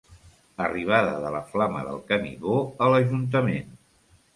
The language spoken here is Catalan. Arribada de la Flama del Canigó a l'Ajuntament.